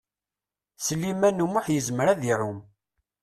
Sliman U Muḥ yezmer ad iɛum.